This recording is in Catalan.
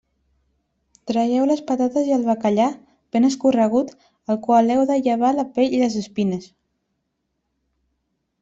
Traieu les patates i el bacallà, ben escorregut, al qual heu de llevar la pell i les espines.